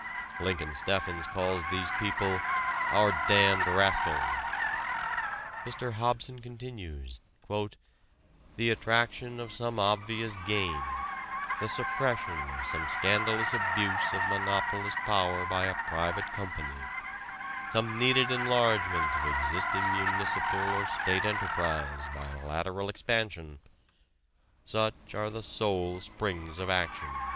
Lincoln Steffens calls these people "our damned rascals." Mr. Hobson continues, "The attraction of some obvious gain, the suppression of some scandalous abuse of monopolist power by a private company, some needed enlargement of existing Municipal or State enterprise by lateral expansion such are the sole springs of action."